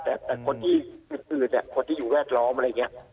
แต่คนที่อยู่แวดล้อมอะไรอย่างนี้